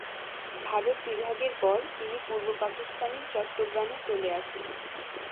ভারত বিভাগের পর তিনি পূর্ব পাকিস্তানের চট্টগ্রামে চলে আসেন।